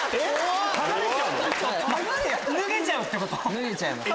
脱げちゃいます。